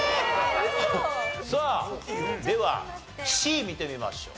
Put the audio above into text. さあではＣ見てみましょう。